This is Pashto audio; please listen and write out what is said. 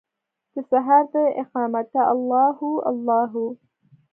دسهار داقامته الله هو، الله هو